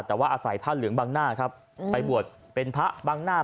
แต่ว่าอาศัยผ้าเหลืองบังหน้าครับไปบวชเป็นพระบังหน้า